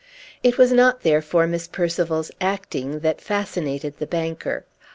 It was not, therefore, Miss Percival's acting that fascinated the banker.